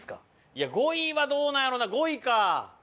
いや５位はどうなんやろな５位か。